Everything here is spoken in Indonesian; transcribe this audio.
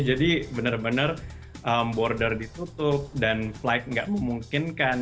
jadi benar benar border ditutup dan flight nggak memungkinkan